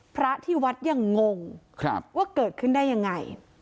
พระที่วัดยังงงว่าเกิดขึ้นได้ยังไง